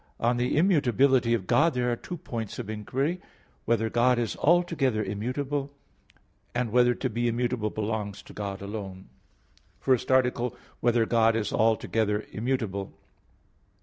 On the immutability of God there are two points of inquiry: (1) Whether God is altogether immutable? (2) Whether to be immutable belongs to God alone? _______________________ FIRST ARTICLE [I, Q. 9, Art. 1] Whether God is altogether immutable?